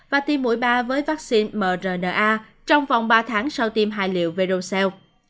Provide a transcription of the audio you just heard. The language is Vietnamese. và tiêm mũi ba với vaccine mrna trong vòng ba tháng sau tiêm hai liệu verocell